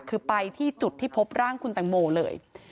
คือไปที่จุดที่พบร่างคุณตังโมเลย